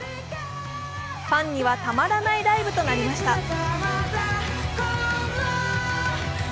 ファンにはたまらないライブとなりました。